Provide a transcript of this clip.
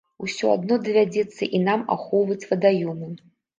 Усё адно давядзецца і нам ахоўваць вадаёмы.